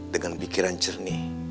dengan pikiran cernih